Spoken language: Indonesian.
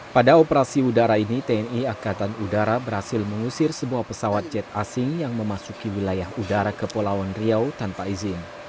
pada operasi udara ini tni angkatan udara berhasil mengusir semua pesawat jet asing yang memasuki wilayah udara kepulauan riau tanpa izin